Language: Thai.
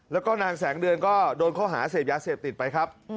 แล้วก็นางแสงเดือนก็โดนข้อหาเสพยาเสพติดไปครับ